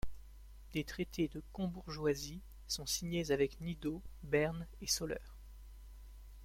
Des traités de combourgeoisie sont signés avec Nidau, Berne et Soleure.